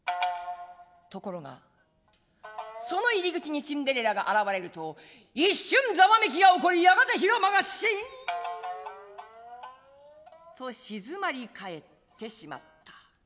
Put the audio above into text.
ところがその入り口にシンデレラがあらわれると一瞬ざわめきがおこりやがて広間がシーンと静まり返ってしまった。